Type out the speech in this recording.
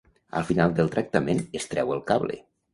Al final del tractament es treu el cable.